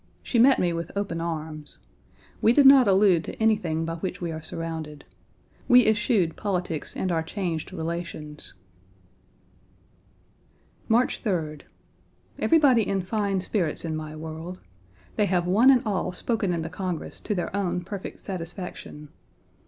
She met me with open arms. We did not allude to anything by which we are surrounded. We eschewed politics and our changed relations. March 3d. Everybody in fine spirits in my world. They have one and all spoken in the Congress 1 to their own perfect satisfaction.